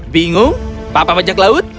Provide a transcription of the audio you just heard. bingung papa bajaklaut